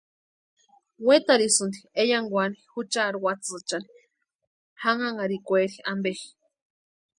Wetarhesïnti eyankwani juchari watsïichani janhanharhikwaeri ampe.